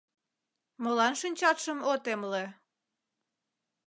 — Молан шинчатшым от эмле?